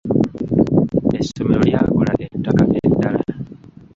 Essomero lyagula ettaka eddala.